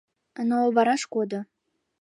Но вараш кодо.